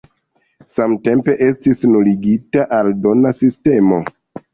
Samtempe estis nuligita aldona sistemo.